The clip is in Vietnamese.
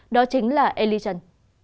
đó chính là ellie tran